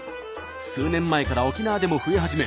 数年前から沖縄でも増え始め